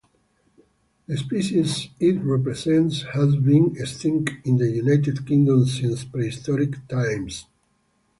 The species it represents has been extinct in the United Kingdom since prehistoric times.